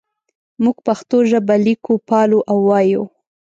موږ پښتو ژبه لیکو پالو او وایو.